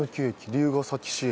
龍ケ崎市駅。